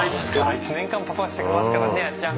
１年間パパしてますからねアちゃん。